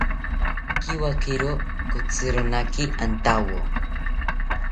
Pikiwakiro kotzironaki antawo